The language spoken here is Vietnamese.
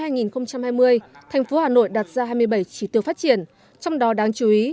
năm hai nghìn hai mươi tp hà nội đạt ra hai mươi bảy chỉ tiêu phát triển trong đó đáng chú ý